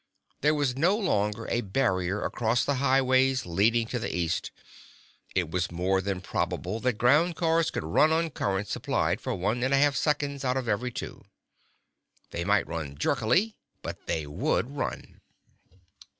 There was no longer a barrier across the highways leading to the east. It was more than probable that ground cars could run on current supplied for one and a half seconds out of every two. They might run jerkily, but they would run.